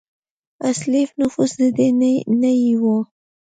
اصلي نفوس د دې نیيي وو.